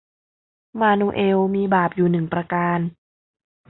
มานูเอลมีบาปอยู่หนึ่งประการ